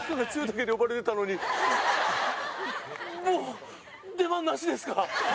もう出番なしですか？